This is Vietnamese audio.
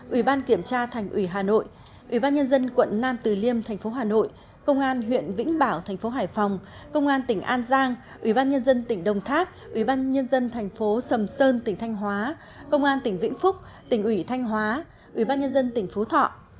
ủy ban kiểm tra thành ủy hà nội ủy ban nhân dân quận nam từ liêm thành phố hà nội công an huyện vĩnh bảo thành phố hải phòng công an tỉnh an giang ủy ban nhân dân tỉnh đồng tháp ủy ban nhân dân thành phố sầm sơn tỉnh thanh hóa công an tỉnh vĩnh phúc tỉnh ủy thanh hóa ủy ban nhân dân tỉnh phú thọ